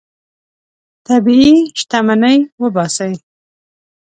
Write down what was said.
طبیعي شتمني وباسئ.